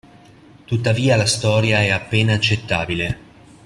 Tuttavia la storia è appena accettabile.